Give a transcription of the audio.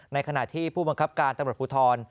ในขณะที่ผู้บังคับการตำรวจภูทร